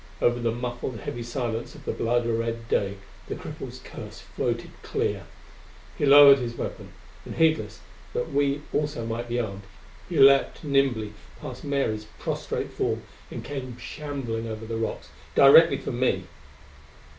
Over the muffled heavy silence of the blood red day the cripple's curse floated clear. He lowered his weapon; and, heedless that we also might be armed, he leaped nimbly past Mary's prostrate form and came shambling over the rocks directly for me!